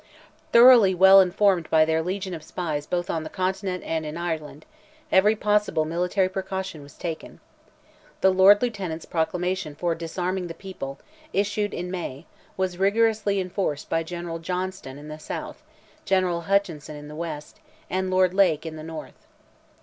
Thoroughly well informed by their legion of spies both on the Continent and in Ireland, every possible military precaution was taken. The Lord Lieutenant's proclamation for disarming the people, issued in May, was rigorously enforced by General Johnstone in the South, General Hutchinson in the West, and Lord Lake in the North.